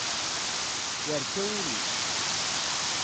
Yerka wul-is.